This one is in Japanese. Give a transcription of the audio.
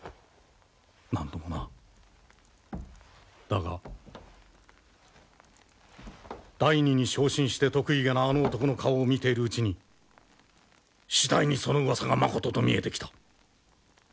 だが大弐に昇進して得意気なあの男の顔を見ているうちに次第にそのうわさがまことと見えてきた。